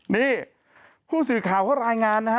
นี่ผู้สื่อข่าวเขารายงานนะฮะ